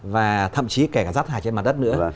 và thậm chí kể cả rắt hải trên mặt đất nữa